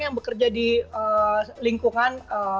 yang bekerja di lingkungan